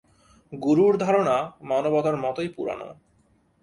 গুরুর ধারণা মানবতার মতোই পুরানো।